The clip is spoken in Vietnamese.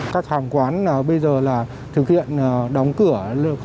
các hàng quán bây giờ là thực hiện đóng cửa